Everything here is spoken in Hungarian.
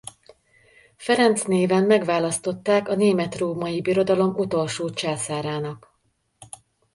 Ferenc néven megválasztották a Német-római Birodalom utolsó császárának.